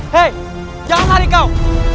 hei jangan lari kau